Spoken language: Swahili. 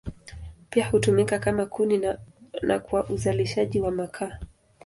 Pia hutumika kama kuni na kwa uzalishaji wa makaa.